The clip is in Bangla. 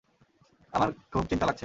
আমার খুব চিন্তা লাগছে!